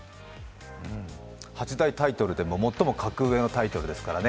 ８大タイトルで最も格上のタイトルですからね。